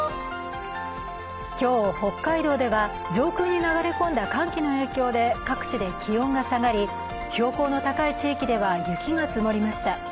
今日、北海道では上空に流れ込んだ寒気の影響で各地で気温が下がり、標高の高い地域では雪が積もりました。